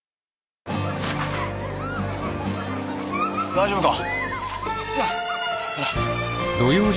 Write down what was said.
大丈夫か？